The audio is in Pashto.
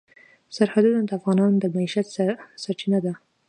سرحدونه د افغانانو د معیشت سرچینه ده.